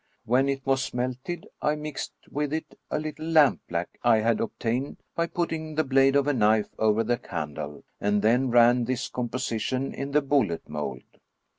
When it was melted, I mixed with it ^37 True Stories of Modern Magic a little lampblack I had obtained by putting the blade of a knife over the candle, and then ran this composition in the bullet mold.